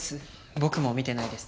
僕も見てないです。